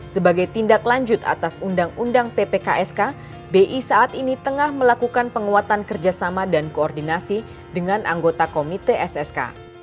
sebagai tindak lanjut atas undang undang ppksk bi saat ini tengah melakukan penguatan kerjasama dan koordinasi dengan anggota komite ssk